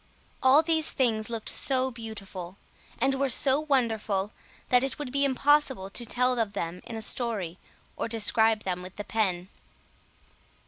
All these things looked so beautiful, and were so wonderful, that it would be impossible to tell of them in a story, or describe them with the pen.